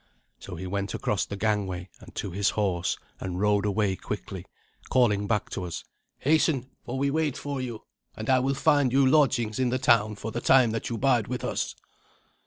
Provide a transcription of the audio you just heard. So he went across the gangway, and to his horse, and rode away quickly, calling back to us, "Hasten, for we wait for you. And I will find you lodgings in the town for the time that you bide with us."